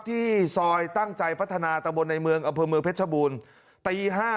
ที่สร้อยตั้งใจพัฒนาตระบวนในเมืองอบพมือเพชรบูรณ์ตี๕